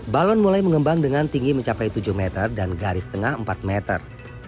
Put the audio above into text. balon mulai mengembang dengan tinggi mencapai tujuh meter dan garis tengah empat meter